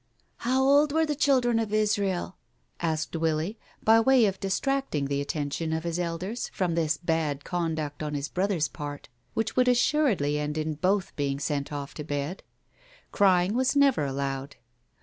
" How old were the children of Israel ?" asked Willie, by way of distracting the attention of his elders from this bad conduct on his brother's part, which would assuredly end in both being sent off to bed. Crying was never allowed.